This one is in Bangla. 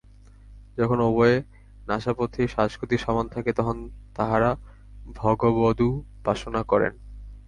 যখন উভয় নাসাপথেই শ্বাসগতি সমান থাকে, তখন তাঁহারা ভগবদুপাসনা করেন।